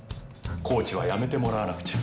コーチは辞めてもらわなくちゃ。